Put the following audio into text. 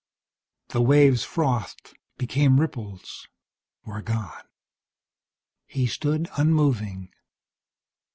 The waves frothed, became ripples, were gone. He stood unmoving.